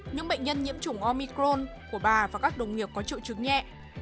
những bệnh nhân nhiễm chủng omicron của bà và các đồng nghiệp có triệu chứng nhẹ